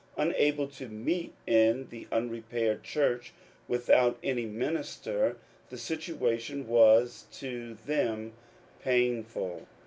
Unable to meet in the unrepaired church, without any minister, the situation was to them painful.